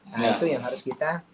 nah itu yang harus kita